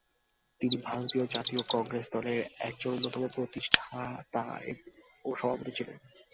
তিনি ভারতীয় জাতীয় কংগ্রেস দলের একজন অন্যতম প্রতিষ্ঠাতা ও সভাপতি ছিলেন।